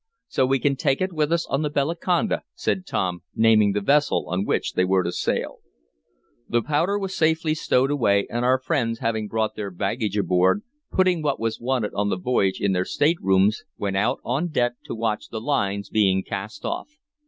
"So we can take it with us on the Bellaconda," said, Tom, naming the vessel on which they were to sail. The powder was safely stowed away, and our friends having brought their baggage aboard, putting what was wanted on the voyage in their staterooms, went out on deck to watch the lines being cast off.